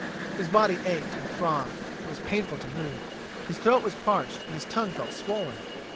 His body ached and throbbed; it was painful to move. His throat was parched, and his tongue felt swollen.